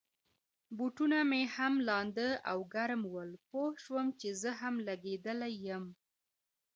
بوټونه مې هم لانده او ګرم ول، پوه شوم چي زه هم لګېدلی یم.